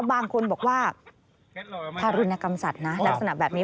บางคนบอกว่าทารุณกรรมสัตว์นะลักษณะแบบนี้